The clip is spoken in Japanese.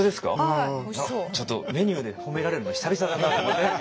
ちょっとメニューで褒められるの久々だなと思って。